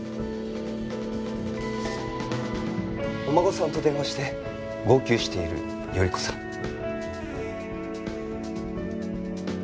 お孫さんと電話して号泣している頼子さん。